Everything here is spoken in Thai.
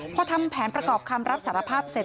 พอทำแผนประกอบคำรับสารภาพเสร็จ